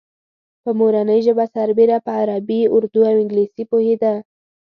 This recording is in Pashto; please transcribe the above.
په مورنۍ ژبه سربېره په عربي، اردو او انګلیسي پوهېده.